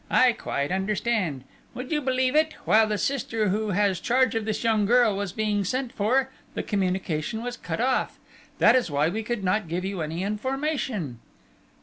I quite understand. Would you believe it, while the sister, who has charge of this young girl, was being sent for, the communication was cut off. That is why we could not give you any information."